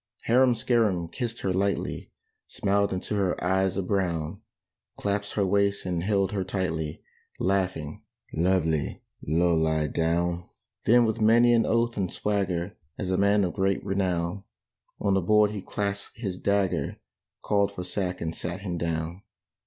Harum Scarum kissed her lightly, Smiled into her eyes of brown, Clasped her waist and held her tightly, Laughing, "Lovely Low lie down!" Then with many an oath and swagger, As a man of great renown, On the board he clapped his dagger, Called for sack and sat him down.